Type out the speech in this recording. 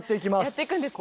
やっていくんですね。